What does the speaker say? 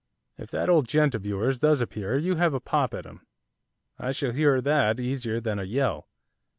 'If that old gent of yours does appear, you have a pop at him, I shall hear that easier than a yell.